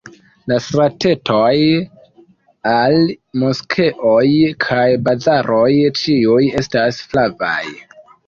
La stratetoj al moskeoj kaj bazaroj ĉiuj estas flavaj.